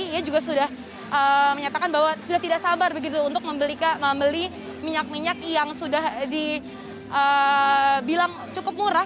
ia juga sudah menyatakan bahwa sudah tidak sabar begitu untuk membeli minyak minyak yang sudah dibilang cukup murah